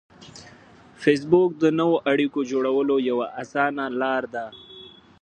فېسبوک د نوو اړیکو جوړولو یوه اسانه لار ده